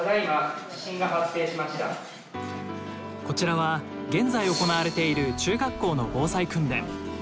こちらは現在行われている中学校の防災訓練。